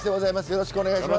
よろしくお願いします。